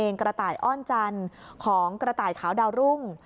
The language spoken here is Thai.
กระต่ายอ้อนจันทร์ของกระต่ายขาวดาวรุ่ง